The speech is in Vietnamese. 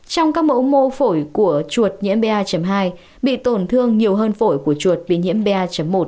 trong các mẫu mô phổi của chuột nhiễm ba hai bị tổn thương nhiều hơn phổi của chuột bị nhiễm ba một